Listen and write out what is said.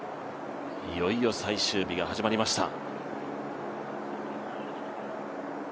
いよいよ最終日が始まりました。